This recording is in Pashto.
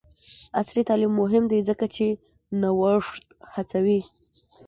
عصري تعلیم مهم دی ځکه چې نوښت هڅوي.